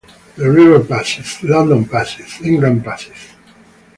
The river passes - London passes, England passes.